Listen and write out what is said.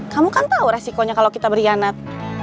kamu kan tahu resikonya kalau kita berkhianat